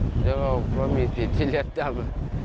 ใช้สิทธิ์แล้วก็เพราะมีผิดที่เรียกตั้ง